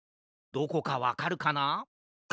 どこかわかるかな？